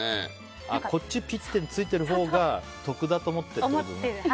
こっちピッてついてるほうが得だと思ってるってこととか。